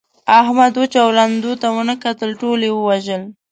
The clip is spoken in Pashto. احمد وچو او لندو ته و نه کتل؛ ټول يې ووژل.